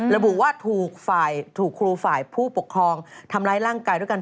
ระบุว่าถูกฝ่ายถูกครูฝ่ายผู้ปกครองทำร้ายร่างกายด้วยกัน